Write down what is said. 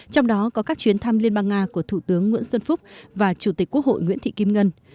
trong đó có các chuyến thăm liên bang nga của thủ tướng nguyễn xuân phúc và chủ tịch quốc hội nguyễn thị kim ngân